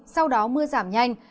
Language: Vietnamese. sau đó mưa giảm nhanh